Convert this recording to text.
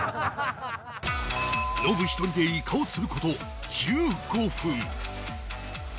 ノブ１人でイカを釣る事１５分